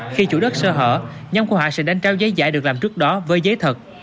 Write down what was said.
khi chủ đất sơ hở nhóm của họ sẽ đánh trao giấy giải được làm trước đó với giấy thật